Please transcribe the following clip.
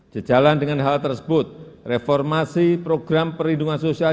sejalan dengan hal tersebut reformasi program perlindungan sosial